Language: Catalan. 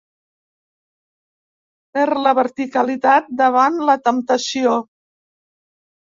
Perd la verticalitat davant la temptació.